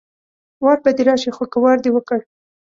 وار به دې راشي خو که وار دې وکړ